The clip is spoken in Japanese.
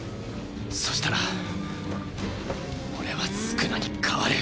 そしたら俺は宿儺に代わる。